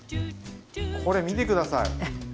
これ見て下さい！